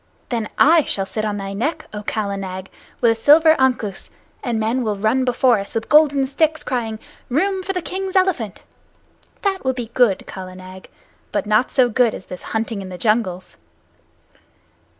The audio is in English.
Then I shall sit on thy neck, O Kala Nag, with a silver ankus, and men will run before us with golden sticks, crying, `Room for the King's elephant!' That will be good, Kala Nag, but not so good as this hunting in the jungles."